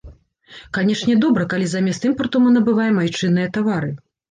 Канешне, добра, калі замест імпарту мы набываем айчынныя тавары.